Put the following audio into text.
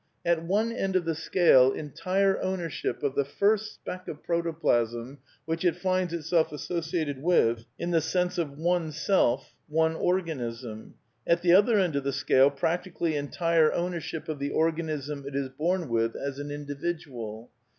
At one end of the scale, entire ownership of the first speck of protoplasm which it finds itself associated with, in the sense of one self, one organism. At the other end of the scale, practically entire ownership of the organism it is bom with as an Individual.